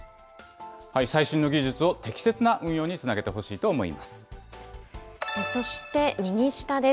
最新の技術を適切な運用につなげてほしいと思います。